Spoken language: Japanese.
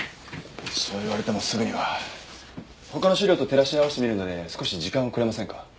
そう言われてもすぐには。他の資料と照らし合わせてみるので少し時間をくれませんか？